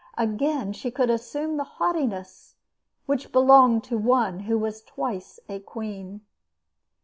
Again, she could assume the haughtiness which belonged to one who was twice a queen.